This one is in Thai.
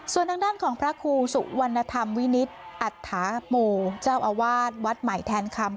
ส่วนด้านของพระครูสุวรรณธรรมวินิจอัฐหมูร์เจ้าอาวาดวัดหมายแทนคำ